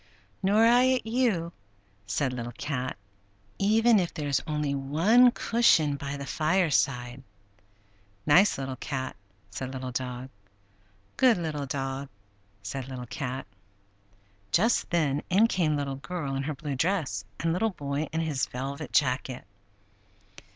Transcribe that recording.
"Nor I at you," said Little Cat, "even if there is only one cushion by the fireside." "Nice Little Cat!" said Little Dog. "Good Little Dog!" said Little Cat. Just then in came Little Girl in her blue dress and Little Boy in his velvet jacket.